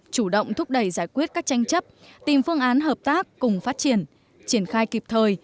chủ động thúc đẩy giải quyết các tranh chấp tìm phương án hợp tác cùng phát triển triển khai kịp thời